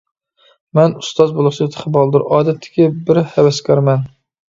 مەن ئۇستاز بولۇشقا تېخى بالدۇر، ئادەتتىكى بىر ھەۋەسكارمەن.